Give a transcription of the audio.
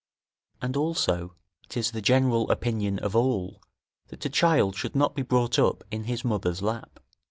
And also 'tis the general opinion of all, that a child should not be brought up in his mother's lap.